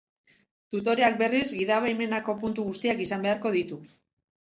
Tutoreak, berriz, gidabaimenako puntu guztiak izan beharko ditu.